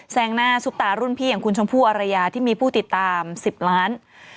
งหน้าซุปตารุ่นพี่อย่างคุณชมพู่อารยาที่มีผู้ติดตาม๑๐ล้าน